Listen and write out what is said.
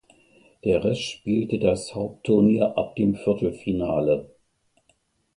Der Rest spielte das Hauptturnier ab dem Viertelfinale.